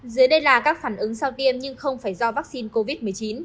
dưới đây là các phản ứng sau tiêm nhưng không phải do vaccine covid một mươi chín